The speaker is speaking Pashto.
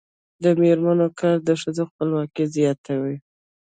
د میرمنو کار د ښځو خپلواکي زیاتوي.